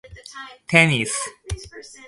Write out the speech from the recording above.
テニス